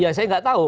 ya saya gak tahu